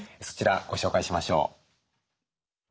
そちらご紹介しましょう。